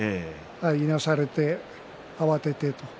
いなされて慌てて。